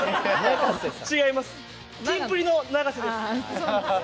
違います、キンプリの永瀬です。